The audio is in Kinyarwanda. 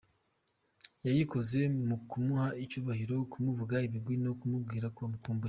Yayikoze mu kumuha icyubahiro, kumuvuga ibigwi no kumubwira ko amukumbuye.